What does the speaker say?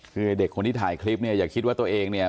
คือเด็กคนที่ถ่ายคลิปเนี่ยอย่าคิดว่าตัวเองเนี่ย